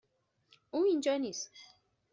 او اینجا نیست.